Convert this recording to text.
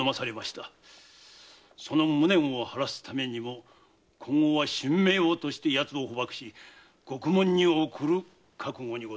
その無念を晴らすためにも今後は身命を賭して奴を捕縛し獄門に送る覚悟にございまする。